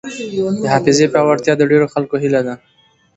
د حافظې پیاوړتیا د ډېرو خلکو هیله ده.